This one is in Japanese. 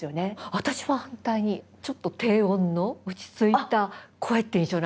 私は反対にちょっと低音の落ち着いた声って印象なんですよ。